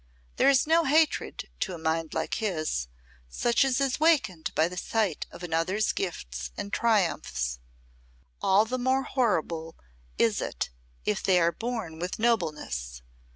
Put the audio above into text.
There is no hatred, to a mind like his, such as is wakened by the sight of another's gifts and triumphs all the more horrible is it if they are borne with nobleness.